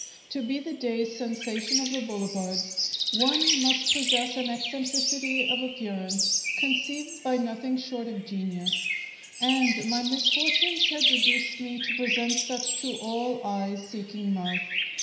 To be the day's sensation of the boulevards one must possess an eccentricity of appearance conceived by nothing short of genius; and my misfortunes had reduced me to present such to all eyes seeking mirth.